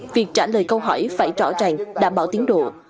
việc trả lời câu hỏi phải rõ ràng đảm bảo tiến độ